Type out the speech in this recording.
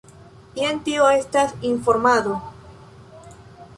Jen, tio estas informado.